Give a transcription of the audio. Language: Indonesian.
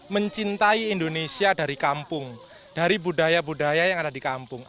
mencintai indonesia dari kampung dari budaya budaya yang ada di kampung